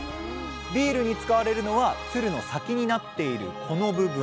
ビールに使われるのはつるの先になっているこの部分。